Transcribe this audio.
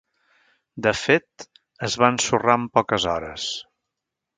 De fet, es va ensorrar en poques hores.